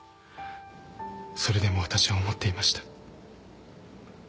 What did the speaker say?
それでもわたしは思っていました。